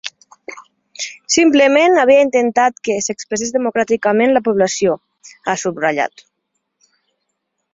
Simplement havia intentat que s’expressés democràticament la població, ha subratllat.